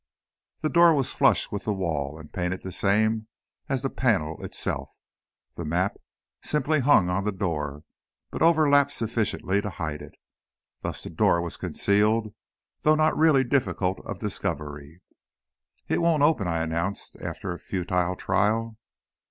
The door was flush with the wall, and painted the same as the panel itself. The map simply hung on the door, but overlapped sufficiently to hide it. Thus the door was concealed, though not really difficult of discovery. "It won't open," I announced after a futile trial.